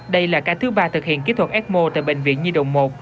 đây là cả thứ ba thực hiện kỹ thuật ecmo tại bệnh viện nhi động một